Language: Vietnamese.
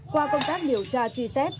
qua công tác điều tra truy xét